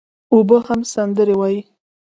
اوبه هم سندري وايي.